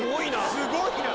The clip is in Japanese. すごいな！